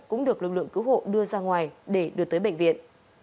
cũng được lực lượng cứu hộ đưa ra ngoài để đưa tới bệnh viện